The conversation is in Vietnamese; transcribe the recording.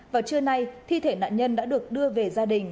vào trưa nay thi thể nạn nhân đã được đưa về gia đình